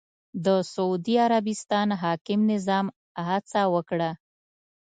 د سعودي عربستان حاکم نظام هڅه وکړه